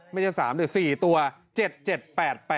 ไม่ใช่๓แต่๔ตัว